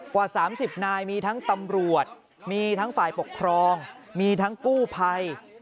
กว่า๓๐นายมีทั้งตำรวจมีทั้งฝ่ายปกครองมีทั้งกู้ภัย